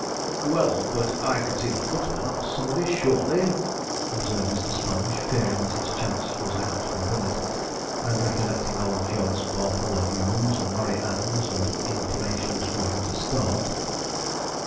'Well, but I can see the footman or somebody, surely,' observed Mr. Sponge, fearing that his chance was out for a billet, and recollecting old Jog's 'Bartholo m e ws!' and 'Murry Anns!' and intimations for him to start.